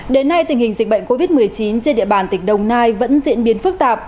đến nay tình hình dịch bệnh covid một mươi chín trên địa bàn tỉnh đồng nai vẫn diễn biến phức tạp